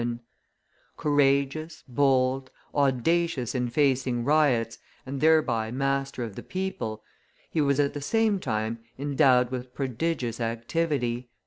] Courageous, bold, audacious in facing riots, and thereby master of the people, he was at the same time endowed with prodigious activity.